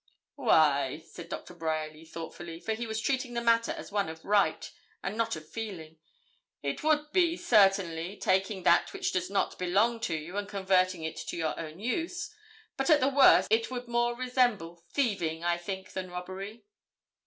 'Why,' said Doctor Bryerly thoughtfully, for he was treating the matter as one of right, and not of feeling, 'it would be, certainly, taking that which does not belong to you, and converting it to your own use; but, at the worst, it would more resemble thieving, I think, than robbery.'